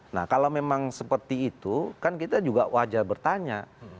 nah kalau memang seperti itu kan kita juga wajar bertanya